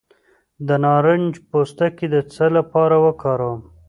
د نارنج پوستکی د څه لپاره وکاروم؟